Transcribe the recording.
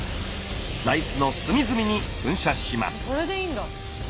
座いすの隅々に噴射します。